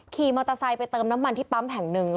ขี่มอเตอร์ไซค์ไปเติมน้ำมันที่ปั๊มแห่งหนึ่ง